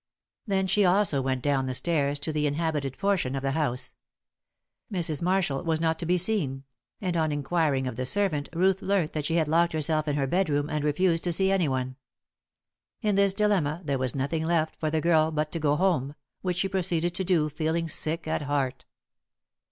Then she also went down the stairs to the inhabited portion of the house. Mrs. Marshall was not to be seen; and on inquiring of the servant, Ruth learnt that she had locked herself in her bedroom and refused to see anyone. In this dilemma there was nothing left for the girl but to go home, which she proceeded to do feeling sick at heart.